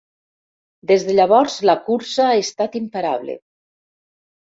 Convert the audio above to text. Des de llavors la cursa ha estat imparable.